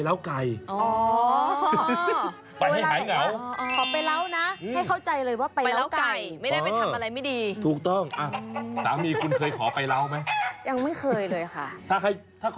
ถ้าเขาดูคลิปนั้นเวลาเท่าว่าไปเล้าเนอะ